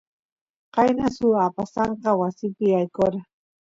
qayna suk apasanka wasipi yaykora